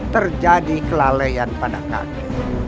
terjadi kelalaian pada kakek